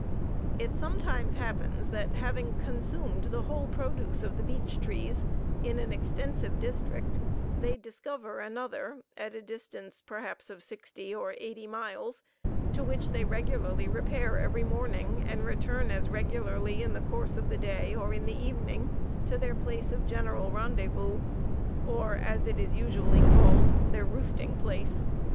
It sometimes happens that, having consumed the whole produce of the beech trees, in an extensive district, they discover another, at the distance perhaps of sixty or eighty miles, to which they regularly repair every morning, and return as regularly in the course of the day, or in the evening, to their place of general rendezvous, or as it is usually called, the roosting place.